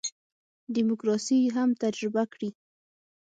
دیموکراسي هم تجربه کړي.